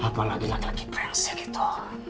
apalagi laki laki prensik itu